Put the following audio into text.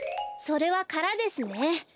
それはからですね。